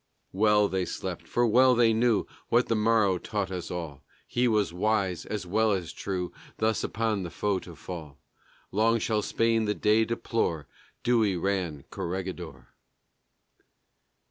Well they slept, for well they knew What the morrow taught us all, He was wise (as well as true) Thus upon the foe to fall. Long shall Spain the day deplore Dewey ran Corregidor.